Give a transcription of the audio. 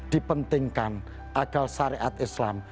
dipentingkan agar syariat islam